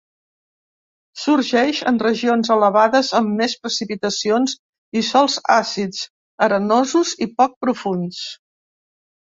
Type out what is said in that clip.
Sorgeix en regions elevades amb més precipitacions i sòls àcids, arenosos i poc profunds.